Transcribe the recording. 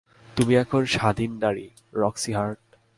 তুমি এখন স্বাধীন নারী, রক্সি হার্ট।